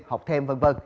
học thêm v v